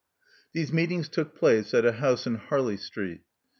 These meetings took place at a house in Harley Street.